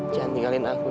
jangan ninggalin aku ya